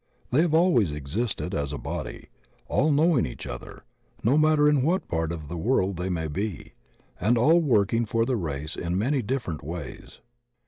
They have always existed as a body, all knowing each other, no matter in what part of the world they may be, and all working for the race in many different ways.